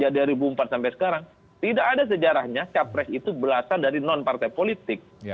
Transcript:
dari dua ribu empat sampai sekarang tidak ada sejarahnya capres itu berasal dari non partai politik